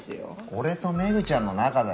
俺とメグちゃんの仲だよ。